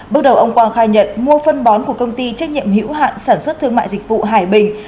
bước đầu ông quang khai nhận mua phân bón của công ty trách nhiệm hữu hạn sản xuất thương mại dịch vụ hải bình